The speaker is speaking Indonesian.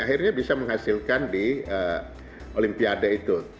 akhirnya bisa menghasilkan di olimpiade itu